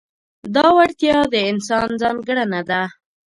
دا وړتیا د انسان ځانګړنه ده.